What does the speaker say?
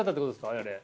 あれ。